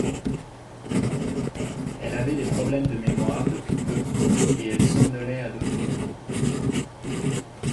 Elle avait des problèmes de mémoire depuis peu et elle somnolait à d’autres moments.